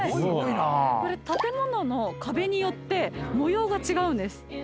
これ建物の壁によって模様が違うんです。